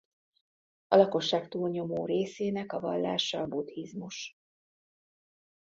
A lakosság túlnyomó részének a vallása a buddhizmus.